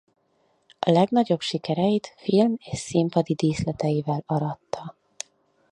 Legnagyobb sikereit film és színpadi díszleteivel aratta.